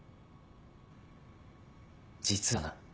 実はな